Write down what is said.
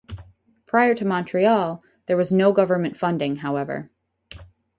Prior to Montreal, there was no government funding, however.